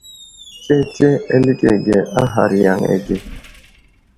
Tsetse aslege a ghar yaŋ age.